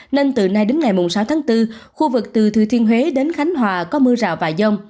nên từ nay đến ngày sáu tháng bốn khu vực từ thừa thiên huế đến khánh hòa có mưa rào và dông